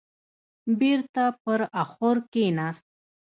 بېرته پر اخور کيناست.